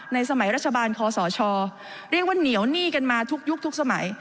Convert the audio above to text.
สมัยรัฐบาลคอสชเรียกว่าเหนียวหนี้กันมาทุกยุคทุกสมัย